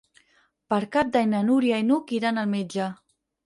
Per Cap d'Any na Núria i n'Hug iran al metge.